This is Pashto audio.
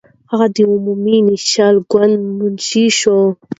هغه د عوامي نېشنل ګوند منشي شو.